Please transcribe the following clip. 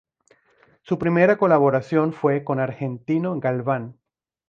Su primera colaboración fue con Argentino Galván.